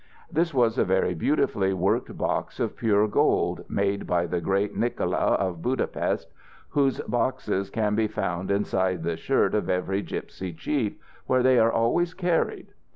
This was a very beautifully worked box of pure gold, made by the great Nikola of Budapest, whose boxes can be found inside the shirt of every gypsy chief, where they are always carried.